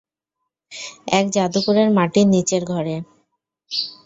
এক জাদুকরের মাটির নিচের ঘরে।